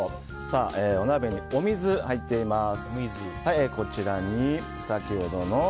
お鍋にお水が入っています。